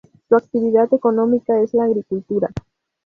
Su actividad económica es la agricultura.